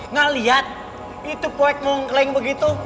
nggak liat itu poek mongkleng begitu